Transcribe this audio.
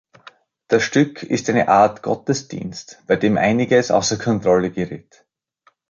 Das Stück ist eine Art Gottesdienst, bei dem einiges außer Kontrolle gerät.